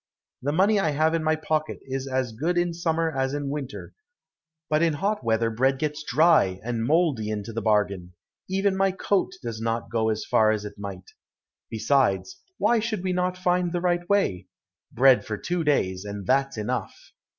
The money I have in my pocket is as good in summer as in winter, but in hot weather bread gets dry, and mouldy into the bargain; even my coat does not go as far as it might. Besides, why should we not find the right way? Bread for two days, and that's enough."